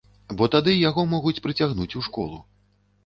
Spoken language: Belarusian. Бо тады яго могуць прыцягнуць у школу.